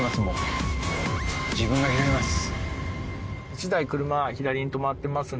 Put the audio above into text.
自分がやります！